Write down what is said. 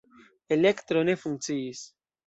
Elektro ne funkciis.